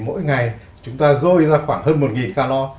mỗi ngày chúng ta rơi ra khoảng hơn một calor